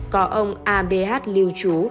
có ông a b h lưu trú